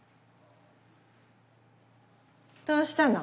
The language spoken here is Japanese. どうしたの？